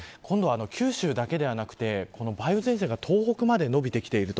九州だけではなくて梅雨前線が東北まで伸びてきている。